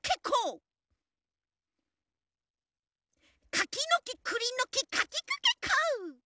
かきのきくりのきかきくけこ！